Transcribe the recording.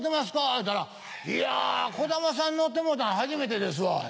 言うたら「いやこだまさん乗ってもらったの初めてですわ」。